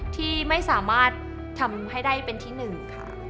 ที่ไม่สามารถทำให้ได้เป็นที่หนึ่งค่ะ